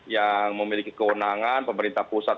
yang memiliki kewenangan pemerintah pusat